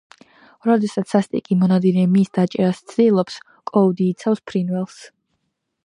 როდესაც სასტიკი მონადირე მის დაჭერას ცდილობს, კოუდი იცავს ფრინველს.